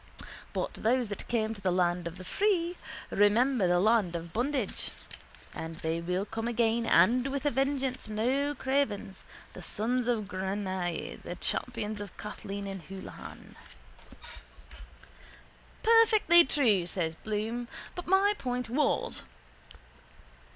But those that came to the land of the free remember the land of bondage. And they will come again and with a vengeance, no cravens, the sons of Granuaile, the champions of Kathleen ni Houlihan. —Perfectly true, says Bloom. But my point was...